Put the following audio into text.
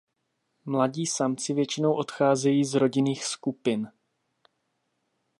Mladí samci většinou odcházejí z rodinných skupin.